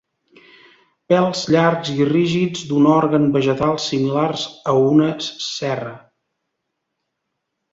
Pèls llargs i rígids d'un òrgan vegetal similars a una cerra.